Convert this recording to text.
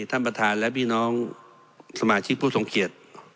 ท่านประธานและพี่น้องสมาชิกผู้ทรงเกียจ